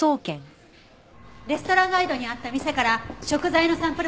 レストランガイドにあった店から食材のサンプルもらってきたわ。